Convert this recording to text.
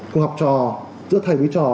của học trò giữa thầy với trò